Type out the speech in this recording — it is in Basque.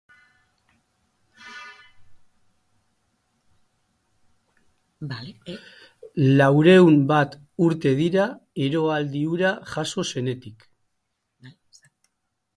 Laurehun bat urte dira eroaldi hura jazo zenetik.